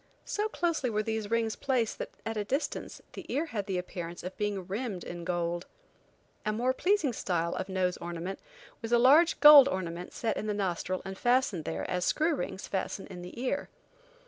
So closely were these rings placed that, at a distance, the ear had the appearance of being rimmed in gold. A more pleasing style of nose ornament was a large gold ornament set in the nostril and fastened there as screw rings fasten in the ear.